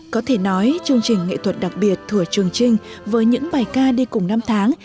có thể nói chương trình nghệ thuật đặc biệt thủa trường trinh với những bài ca đi cùng năm tháng